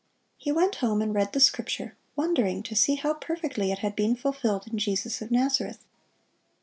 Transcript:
He went home and read the scripture, wondering to see how perfectly it had been fulfilled in Jesus of Nazareth.